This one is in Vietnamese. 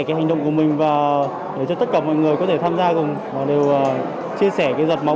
cái hành động của mình và để cho tất cả mọi người có thể tham gia cùng đều chia sẻ cái giọt máu